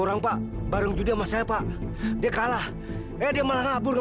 sampai jumpa di video selanjutnya